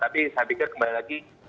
tapi saya pikir kembali lagi